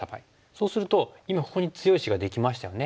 そうすると今ここに強い石ができましたよね。